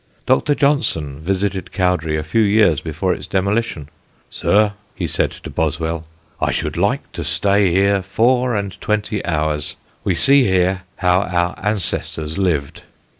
Dr. Johnson visited Cowdray a few years before its demolition; "Sir," he said to Boswell, "I should like to stay here four and twenty hours. We see here how our ancestors lived."